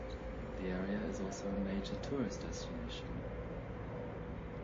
The area is also a major tourist destination.